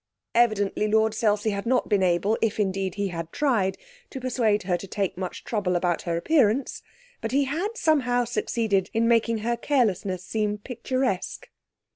Evidently Lord Selsey had not been able if indeed he had tried to persuade her to take much trouble about her appearance, but he had somehow succeeded in making her carelessness seem picturesque.